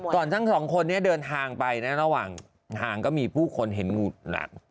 ก่อนทั้ง๒คนเดินทางไปนะระหว่างทางก็มีผู้คนเห็นหูหนัก